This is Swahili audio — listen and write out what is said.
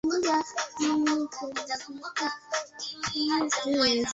kunao ambao hawatilii maanani hilo swala la haki